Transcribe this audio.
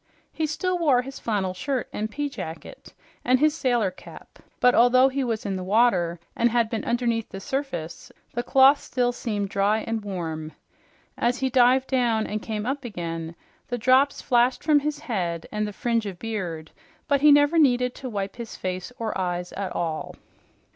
He still wore his flannel shirt and pea jacket and his sailor cap; but although he was in the water and had been underneath the surface, the cloth still seemed dry and warm. As he dived down and came up again, the drops flashed from his head and the fringe of beard, but he never needed to wipe his face or eyes at all.